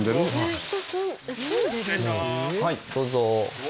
はいどうぞ。